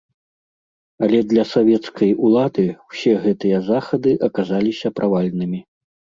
Але для савецкай улады ўсе гэтыя захады аказаліся правальнымі.